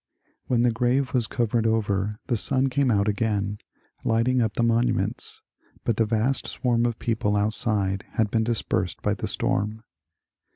When the grave was covered over the sun came out again, lighting up the monuments, but the vast swarm of people outside had been dispersed by the storm.